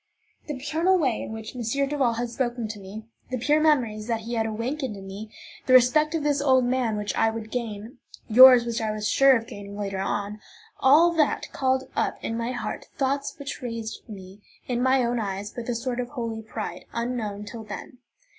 The paternal way in which M. Duval had spoken to me; the pure memories that he awakened in me; the respect of this old man, which I would gain; yours, which I was sure of gaining later on: all that called up in my heart thoughts which raised me in my own eyes with a sort of holy pride, unknown till then.